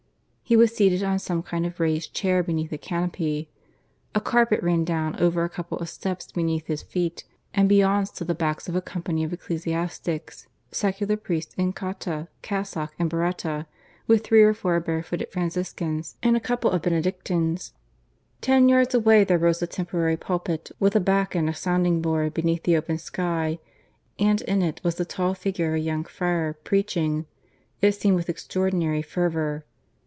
He was seated on some kind of raised chair beneath a canopy. A carpet ran down over a couple of steps beneath his feet, and beyond stood the backs of a company of ecclesiastics secular priests in cotta, cassock, and biretta, with three or four bare footed Franciscans and a couple of Benedictines. Ten yards away there rose a temporary pulpit with a back and a sounding board beneath the open sky; and in it was the tall figure of a young friar, preaching, it seemed, with extraordinary fervour.